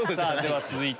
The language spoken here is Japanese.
はい！